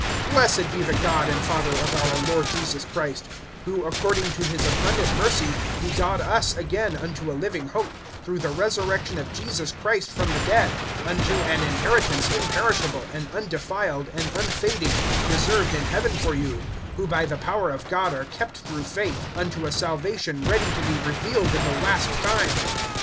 (3)Blessed be the God and Father of our Lord Jesus Christ, who according to his abundant mercy begot us again unto a living hope[1:3] through the resurrection of Jesus Christ from the dead; (4)unto an inheritance imperishable, and undefiled, and unfading, reserved in heaven for you, (5)who by the power of God are kept through faith, unto a salvation ready to be revealed in the last time.